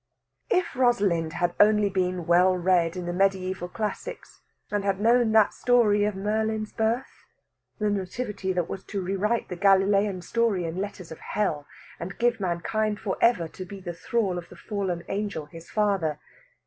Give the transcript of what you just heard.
If Rosalind had only been well read in the mediæval classics, and had known that story of Merlin's birth the Nativity that was to rewrite the Galilean story in letters of Hell, and give mankind for ever to be the thrall of the fallen angel his father!